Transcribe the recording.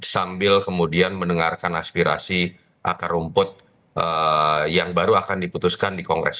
sambil kemudian mendengarkan aspirasi akar rumput yang baru akan diputuskan di kongres